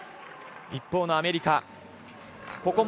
一方のアメリカ。